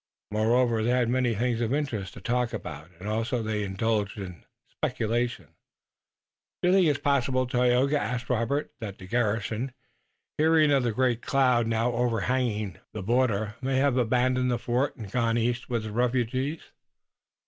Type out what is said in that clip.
Moreover, they had many things of interest to talk about and also they indulged in speculation. "Do you think it possible, Tayoga," asked Robert, "that the garrison, hearing of the great cloud now overhanging the border, may have abandoned the fort and gone east with the refugees?"